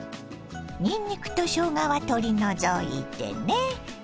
にんにくとしょうがは取り除いてね。